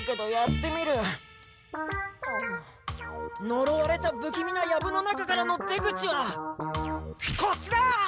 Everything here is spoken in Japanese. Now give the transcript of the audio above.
のろわれたぶきみなヤブの中からの出口はこっちだ！